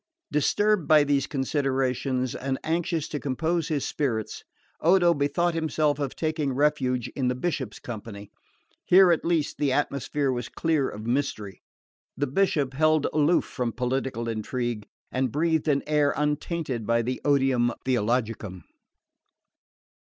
Disturbed by these considerations, and anxious to compose his spirits, Odo bethought himself of taking refuge in the Bishop's company. Here at least the atmosphere was clear of mystery: the Bishop held aloof from political intrigue and breathed an air untainted by the odium theologicum.